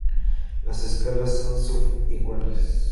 Las escalas son sub-iguales.